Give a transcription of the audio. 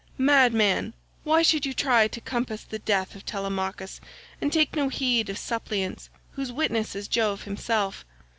Madman, why should you try to compass the death of Telemachus, and take no heed of suppliants, whose witness is Jove himself?